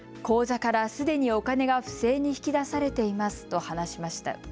口座からすでにお金が不正に引き出されていますと話しました。